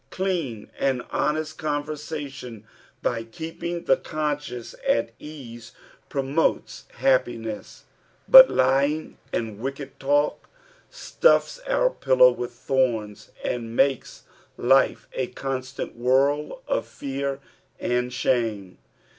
Clean and honest cunversation, by I keeping the conscience at ease, promotes happiness, but Ijicg and wicked talk 1 stufla ourjjillow with thorns, aud makes life a constant whirl of fear und shame.